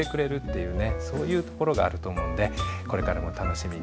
そういうところがあると思うんでこれからも楽しみに勉強していって下さい。